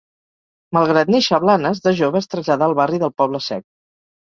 Malgrat néixer a Blanes, de jove es traslladà al barri del Poble Sec.